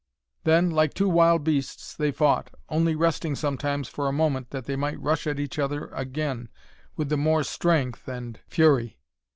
Then, like two wild beasts, they fought, only resting sometimes for a moment that they might rush at each other again with the more strength and fury.